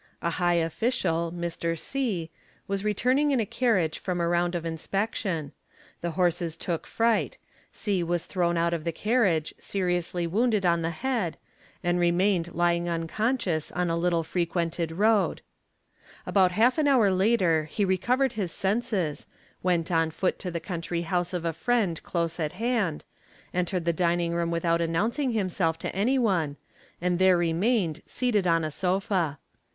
A high official, Mr. C., was. | returning in a carriage from a round of inspection ; the horses took — fright; C. was thrown out of the carriage, seriously wounded on the — head, and remained lying unconscious on a little frequented road. — SPECIAL CONSIDERATIONS— WOUNDS ON THE HEAD 85 About half an hour later he recovered his senses, went on foot to the country house of a friend close at hand, entered the dining room without 'announcing himself to any one, and there remained seated on a sofa.